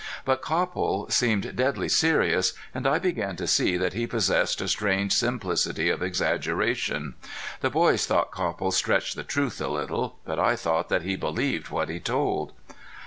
But Copple seemed deadly serious, and I began to see that he possessed a strange simplicity of exaggeration. The boys thought Copple stretched the truth a little, but I thought that he believed what he told.